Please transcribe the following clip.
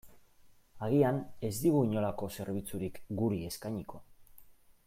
Agian, ez digu inolako zerbitzurik guri eskainiko.